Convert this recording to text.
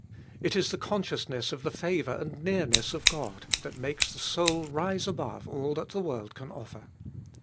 It is the consciousness of the favour and nearness of God that makes the soul rise above all that the world can offer.